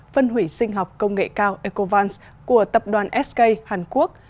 phân hủy sinh học công nghệ cao ecovans của tập đoàn sk hàn quốc